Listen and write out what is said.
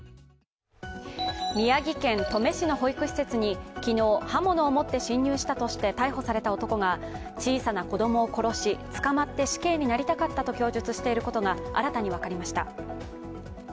宮城県登米市の保育施設に昨日、刃物を持って侵入したとして逮捕された男が、小さな子供を殺し捕まって死刑になりたかったと供述していることが新たに分かりました。